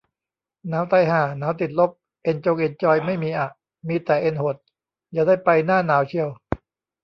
หนาวตายห่า หนาวติดลบ เอ็นจงเอ็นจอยไม่มีอะ มีแต่เอ็นหด อย่าได้ไปหน้าหนาวเชียว